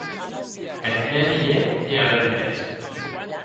Eth mèn hilhet e arren mès.